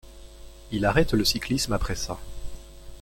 Il arrête le cyclisme après ça.